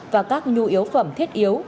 và các nhu yếu phẩm thiết yếu